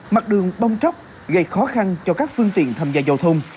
mặt đường bong chóc gây khó khăn cho các phương tiện tham gia giao thông